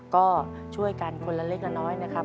ก็ช่วยกันคนละเล็กละน้อยนะครับ